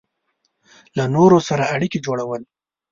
له نورو سره اړیکې جوړول